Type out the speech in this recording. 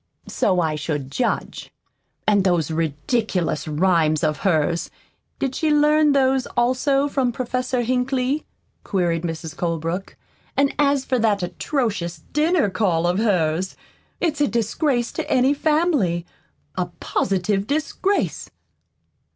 "So I should judge. And those ridiculous rhymes of hers did she learn those, also, from Professor Hinkley?" queried Mrs. Colebrook. "And as for that atrocious dinner call of hers, it's a disgrace to any family a positive disgrace!"